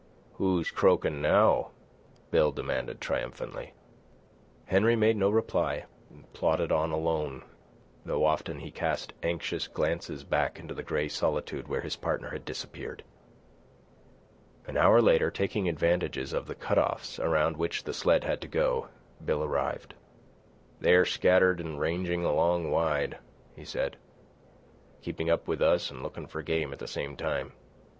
"Who's croaking now?" Bill demanded triumphantly. Henry made no reply, and plodded on alone, though often he cast anxious glances back into the grey solitude where his partner had disappeared. An hour later, taking advantage of the cut offs around which the sled had to go, Bill arrived. "They're scattered an' rangin' along wide," he said: "keeping up with us an' lookin' for game at the same time.